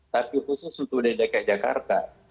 tapi khusus untuk dki jakarta